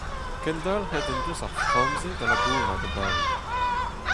Kendalc'het en deus ar framm-se da labourat abaoe.